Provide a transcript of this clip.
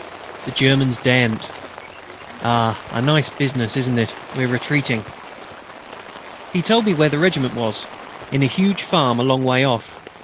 The Germans daren't.... Ah! a nice business, isn't it? We're retreating." He told me where the regiment was, in a huge farm a long way off.